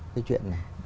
cái chuyện này